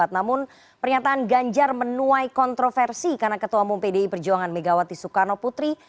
namun pernyataan ganjar menuai kontroversi karena ketua umum pdi perjuangan megawati soekarno putri